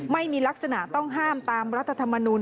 ไม่มีลักษณะต้องห้ามตามรัฐธรรมนูล